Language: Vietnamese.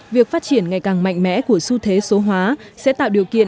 việc phát triển ngày càng mạnh mẽ của xu thế số hóa sẽ tạo điều kiện